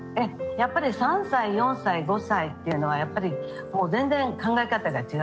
やっぱり３歳４歳５歳っていうのはやっぱりもう全然考え方が違います。